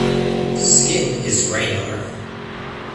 Skin is granular.